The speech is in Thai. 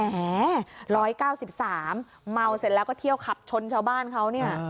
๑๙๓เมาเสร็จแล้วก็เที่ยวขับชนชาวบ้านเขาเนี่ย